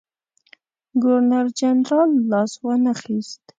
ګورنرجنرال لاس وانه خیست.